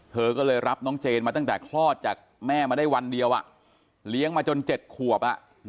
เธอก็เลยรับน้องเจนมาตั้งแต่คลอดจากแม่มาได้วันเดียวเลี้ยงมาจน๗ขวบ